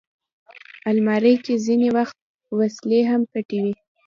الماري کې ځینې وخت وسلې هم پټې وي